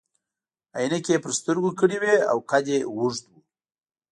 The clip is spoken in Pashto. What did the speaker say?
عینکې يې پر سترګو کړي وي او قد يې اوږد وو.